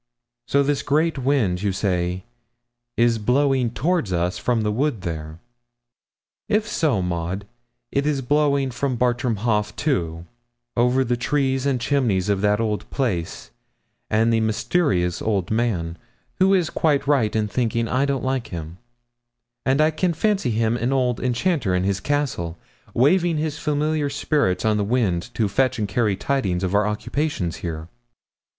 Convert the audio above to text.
So this great wind, you say, is blowing toward us from the wood there. If so, Maud, it is blowing from Bartram Haugh, too, over the trees and chimneys of that old place, and the mysterious old man, who is quite right in thinking I don't like him; and I can fancy him an old enchanter in his castle, waving his familiar spirits on the wind to fetch and carry tidings of our occupations here.'